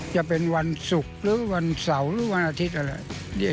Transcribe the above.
จะเป็นวันศุกร์หรือวันเสาร์หรือวันอาทิตย์อะไร